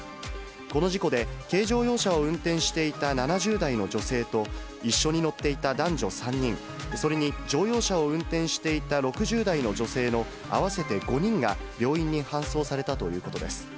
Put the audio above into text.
この事故で、軽乗用車を運転していた７０代の女性と、一緒に乗っていた男女３人、それに乗用車を運転していた６０代の女性の合わせて５人が病院に搬送されたということです。